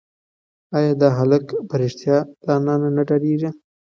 ایا دا هلک په رښتیا له انا نه ډارېږي؟